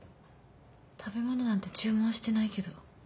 食べ物なんて注文してないけど。